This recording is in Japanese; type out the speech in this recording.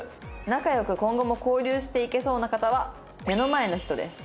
「仲良く今後も交流していけそうな方は目の前の人です」。